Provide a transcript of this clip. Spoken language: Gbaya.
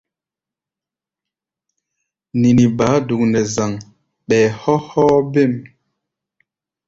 Nini baá duk nɛ zaŋ, ɓɛɛ hɔ́ hɔ́ɔ́-bêm.